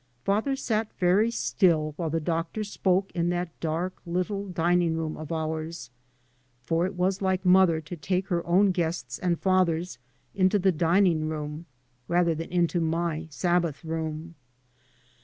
Father sat very still while the doctor spoke in that dark little dining room of ours, for it was like mother to take her own guests and father's into the dining room rather than into my " Sabbath room."